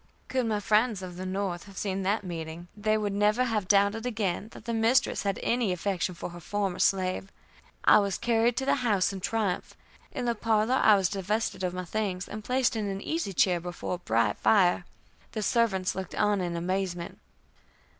Could my friends of the North have seen that meeting, they would never have doubted again that the mistress had any affection for her former slave. I was carried to the house in triumph. In the parlor I was divested of my things, and placed in an easy chair before a bright fire. The servants looked on in amazement.